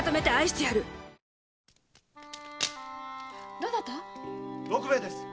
・どなた⁉・六兵衛です。